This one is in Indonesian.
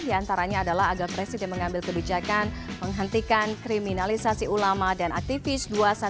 di antaranya adalah agar presiden mengambil kebijakan menghentikan kriminalisasi ulama dan aktivis dua ratus dua belas